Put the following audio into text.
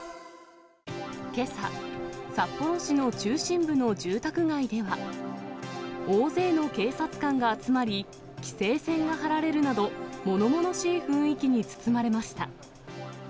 けさ、札幌市の中心部の住宅街では、大勢の警察官が集まり、規制線が張られるなど、ものものしい雰囲気に包まれました。